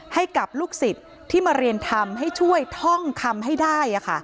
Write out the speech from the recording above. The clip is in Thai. ให้กับลูกศิษย์ที่มาเรียนทำให้ช่วยท่องคำให้ได้